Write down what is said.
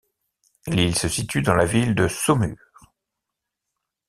L'île se situe dans la ville de Saumur.